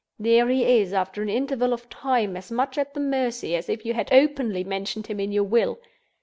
There he is, after an interval of time, as much at her mercy as if you had openly mentioned him in your will.